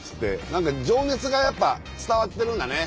情熱がやっぱ伝わってるんだね。